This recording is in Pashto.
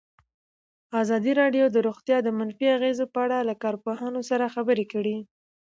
ازادي راډیو د روغتیا د منفي اغېزو په اړه له کارپوهانو سره خبرې کړي.